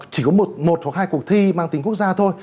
chỉ có một hoặc hai cuộc thi mang tính quốc gia thôi